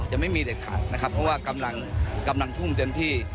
ยังไม่มีเด็ดขาดนะครับเพราะว่ากำลังทุ่มเต็มที่